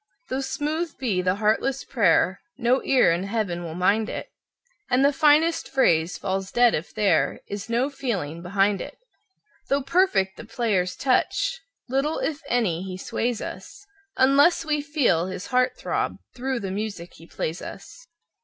Though smooth be the heartless prayer, no ear in Heaven will mind it, And the finest phrase falls dead if there is no feeling behind it. Though perfect the player's touch, little, if any, he sways us, Unless we feel his heart throb through the music he plays us.